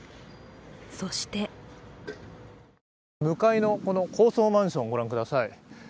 そして向かいの高層マンション、御覧ください。